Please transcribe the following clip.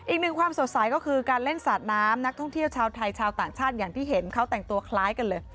อีกหนึ่งความสดใสก็คือการเล่นสาดน้ำนักท่องเที่ยวชาวไทยชาวต่างชาติอย่างที่เห็นเขาแต่งตัวคล้ายกันเลย